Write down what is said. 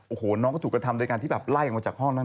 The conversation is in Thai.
โอ้โหน้องก็ถูกกระทำโดยการที่แบบไล่ออกมาจากห้องนั้น